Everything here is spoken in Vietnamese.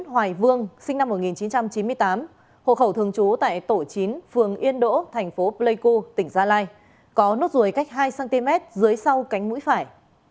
hồ khẩu thường trú tại tổ chín phường yên đỗ thành phố pleiku tỉnh gia lai có nốt rùi cách hai cm dưới sau cánh mũi phải